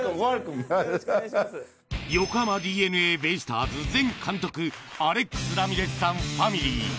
横浜ＤｅＮＡベイスターズ前監督、アレックス・ラミレスさんファミリー。